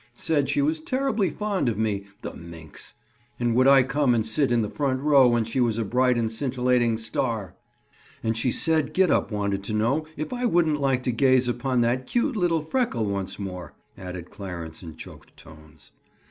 Said she was terribly fond of me, the minx! And would I come and sit in the front row when she was a bright and scintillating star?" "And she said Gid up wanted to know if I wouldn't like to gaze upon that cute little freckle once more?" added Clarence in choked tones.